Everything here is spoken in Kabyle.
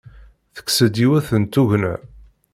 Tekkes-d yiwet n tugna.